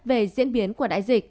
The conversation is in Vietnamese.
về diễn biến của đại dịch